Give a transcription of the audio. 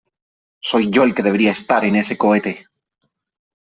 Soy yo el que debería estar en ese cohete .